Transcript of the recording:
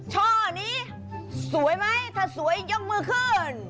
ช่อนี้สวยไหมถ้าสวยยกมือขึ้น